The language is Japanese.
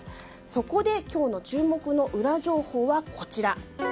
そこで今日の注目のウラ情報はこちら。